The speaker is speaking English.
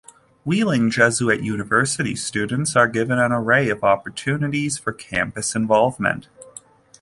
Wheeling Jesuit University students are given an array of opportunities for campus involvement.